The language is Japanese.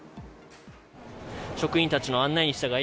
職員たちの案内に従い